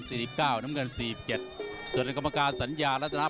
แต่ว่านักชกญี่ปุ่นอะไรนี่ไม่ธรรมดานะครับ